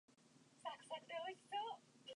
加簽